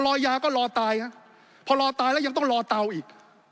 รอยาก็รอตายฮะพอรอตายแล้วยังต้องรอเตาอีก